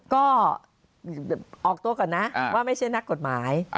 ก็ออกตัวก่อนนะว่าไม่ใช่นักกฎหมาย